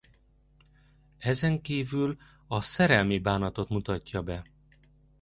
Ezen kívül a szerelmi bánatot mutatja be.